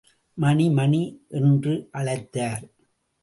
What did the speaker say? மணி, மணி என்று அழைத்தார்.